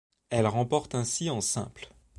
Elle remporte ainsi en simple.